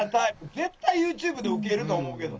絶対ＹｏｕＴｕｂｅでウケると思うけど。